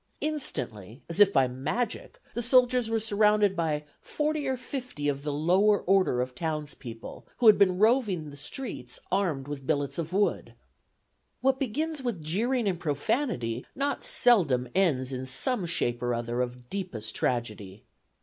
Instantly, as if by magic, the soldiers were surrounded by "forty or fifty of the lower order of town's people, who had been roving the streets armed with billets of wood. ... What begins with jeering and profanity not seldom ends in some shape or other of deepest tragedy.